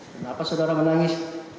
kenapa saudara menangis